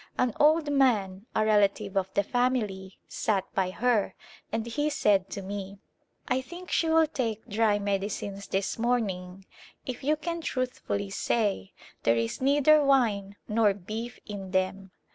An old man, a relative of the family, sat by her, and he said to me, " I think she will take dry medicines this morning if you can truth fully say there is neither wine nor beef in them."